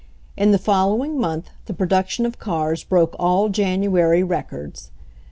In the following month the production of cars broke all January records.